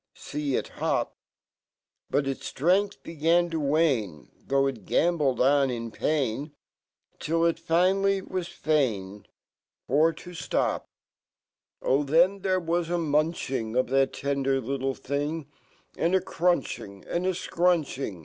See It hop! But its ft rengfh began to wane,' Though it gamboled on in Till it finally wa For to flop. Oh! then there was a munc hi ng , Of that tender little thing, And a crunching and a (crunching.